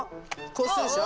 こうするでしょ。